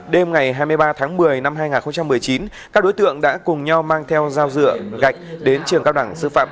đêm ngày hai mươi ba tháng một mươi năm hai nghìn một mươi chín các đối tượng đã cùng nhau mang theo dao dựa gạch đến trường cao đẳng sư phạm